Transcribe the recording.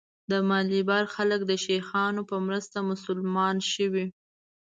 د مالیبار خلک د شیخانو په برکت مسلمان شوي.